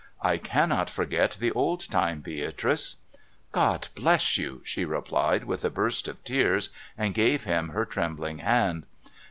I cannot forget the old time, Beatrice.' * God bless you !' she replied with a burst of tears, and gave him her trembling hand.